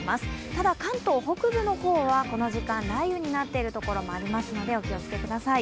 ただ関東北部の方はこの時間雷雨になっているところもありますのでお気をつけください。